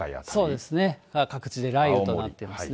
そうですね、各地で雷雨となっていますね。